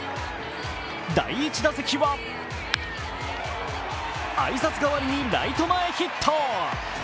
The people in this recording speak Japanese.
第１打席は、挨拶代わりにライト前ヒット。